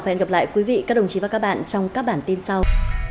hẹn gặp lại các bạn trong các bản tin sau